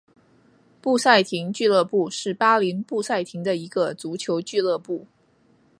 布赛廷俱乐部是巴林布赛廷的一个足球俱乐部。